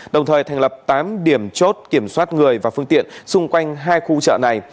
đồng thời thành lập tám điểm chốt kiểm soát người và phương tiện xung quanh hai khu chợ này